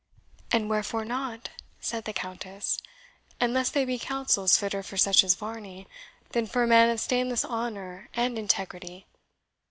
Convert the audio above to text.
"And wherefore not!" said the Countess; "unless they be counsels fitter for such as Varney, than for a man of stainless honour and integrity.